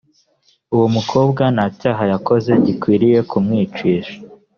uwo mukobwa nta cyaha yakoze gikwiriye kumwicisha